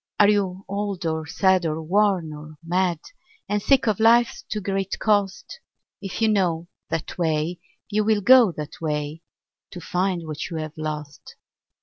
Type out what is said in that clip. Are you old or sad or worn or mad, And sick of life's too great cost? If you know that way, you will go that way, To find what you have lost.